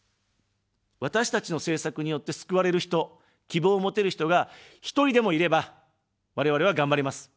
私たちの政策によって救われる人、希望を持てる人が一人でもいれば、我々はがんばれます。